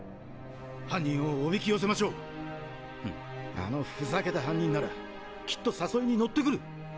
あのふざけた犯人ならきっと誘いに乗ってくる。